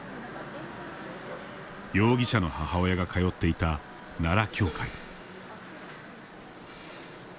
容疑者の母親が通っていた奈良教会。